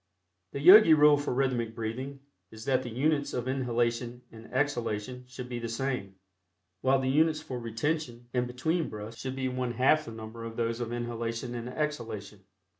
The Yogi rule for rhythmic breathing is that the units of inhalation and exhalation should be the same, while the units for retention and between breaths should be one half the number of those of inhalation and exhalation.